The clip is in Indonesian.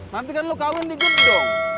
nanti kan lo kawin di gep dong